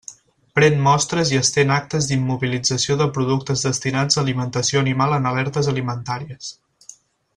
Pren mostres i estén actes d'immobilització de productes destinats a alimentació animal en alertes alimentàries.